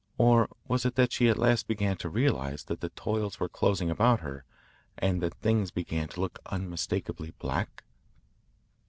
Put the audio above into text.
Or was it that she at last began to realise that the toils were closing about her and that things began to look unmistakably black?